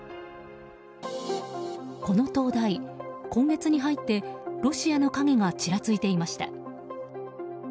この灯台、今月に入ってロシアの影がちらついていました。